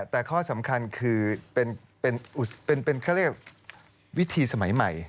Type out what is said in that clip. แต่ข้อสำคัญคือเป็นวิธีสมัยใหม่